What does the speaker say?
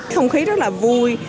thông khí rất là vui